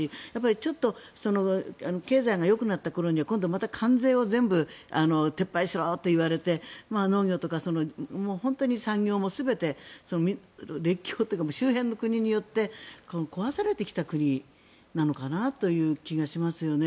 ちょっと経済が良くなったころには今度は関税を全部撤廃しろと言われて農業とか産業も全て、列強というか周辺の国によって壊されてきた国なのかなという気がしますよね。